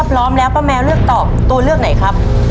พร้อมแล้วป้าแมวเลือกตอบตัวเลือกไหนครับ